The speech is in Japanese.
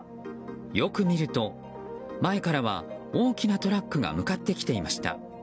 よく見ると前からは大きなトラックが向かってきていました。